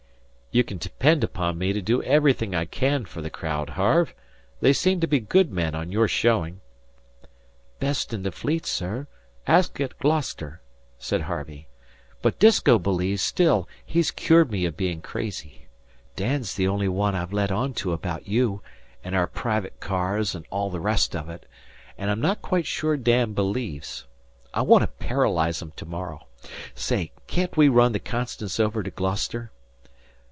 "You can depend upon me to do everything I can for the crowd, Harve. They seem to be good men on your showing." "Best in the Fleet, sir. Ask at Gloucester," said Harvey. "But Disko believes still he's cured me of being crazy. Dan's the only one I've let on to about you, and our private cars and all the rest of it, and I'm not quite sure Dan believes. I want to paralyze 'em to morrow. Say, can't they run the 'Constance' over to Gloucester?